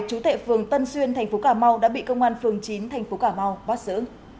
chú thệ phường tân xuyên tp cm đã bị công an phường chín tp cm bắt giữ